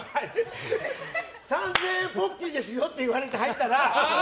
３０００円ぽっきりですよって言われて入ったら。